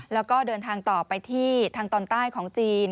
แล้วก็เดินทางต่อไปที่ทางตอนใต้ของจีน